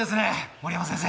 森山先生。